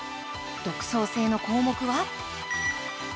独創性の項目は。